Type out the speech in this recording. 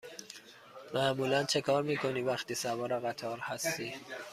معمولا چکار می کنی وقتی سوار قطار هستی؟